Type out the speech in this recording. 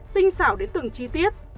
tinh xảo đến từng chi tiết